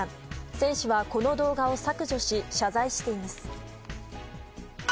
選手はこの動画を削除し謝罪しています。